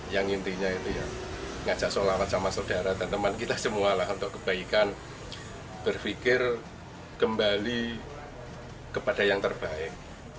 yang intinya itu ya ngajak sholawat sama saudara dan teman kita semua lah untuk kebaikan berpikir kembali kepada yang terbaik